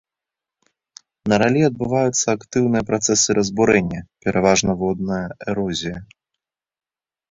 На раллі адбываюцца актыўныя працэсы разбурэння, пераважна водная эрозія.